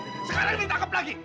sekarang ditangkep lagi